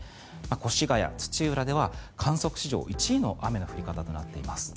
越谷、土浦では観測史上１位の雨の降り方となっています。